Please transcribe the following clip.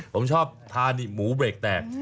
ผมชอบทานหมูเบรกแตก